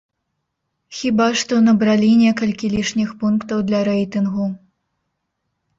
Хіба што набралі некалькі лішніх пунктаў для рэйтынгу.